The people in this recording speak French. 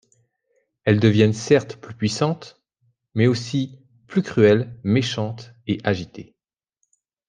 Elles deviennent certes plus puissantes, mais aussi plus cruelles, méchantes et agitées.